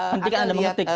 hentikan anda mengetik